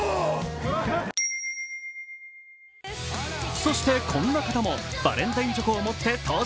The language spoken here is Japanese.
そしてこんな方も、バレンタインチョコを持って登場。